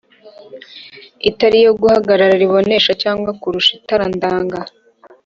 itara iyo guhagarara ribonesha cyane kurusha itara ndanga